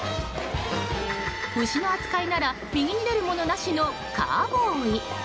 牛の扱いなら右に出る者なしのカウボーイ。